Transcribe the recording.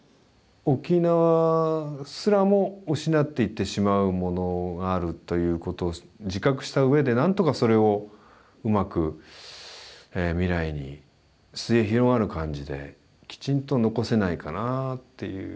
沖縄すらも失っていってしまうものがあるということを自覚したうえでなんとかそれをうまく未来に末広がる感じできちんと残せないかなぁっていう。